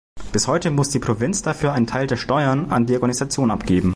Bis heute muss die Provinz dafür ein Teil der Steuern an die Organisation abgeben.